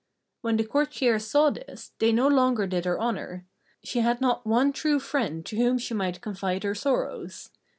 When the courtiers saw this, they no longer did her honour. She had not one true friend to whom she might confide her sorrows.